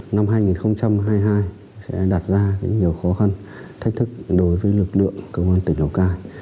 năm hai nghìn hai mươi hai sẽ đặt ra nhiều khó khăn thách thức đối với lực lượng công an tỉnh lào cai